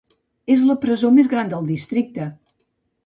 És la presó més gran del districte.